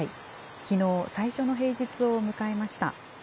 きのう、最初の平日を迎えました。